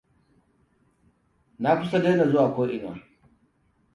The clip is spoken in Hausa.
Na kusa daina zuwa ko ina.